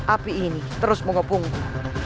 api ini terus mengopungku